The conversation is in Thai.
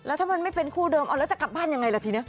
แล้วถ้ามันไม่เป็นคู่เดิมเอาแล้วจะกลับบ้านยังไงล่ะทีนี้